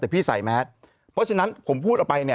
แต่พี่ใส่แมสเพราะฉะนั้นผมพูดออกไปเนี่ย